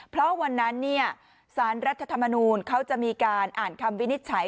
เพราะวันนั้นสารรัฐธรรมนูลเขาจะมีการอ่านคำวินิจฉัย